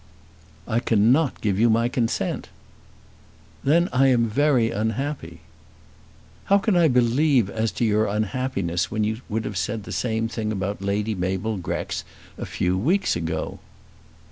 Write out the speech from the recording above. "I cannot give you my consent." "Then I am very unhappy." "How can I believe as to your unhappiness when you would have said the same about Lady Mabel Grex a few weeks ago?"